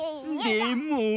でも。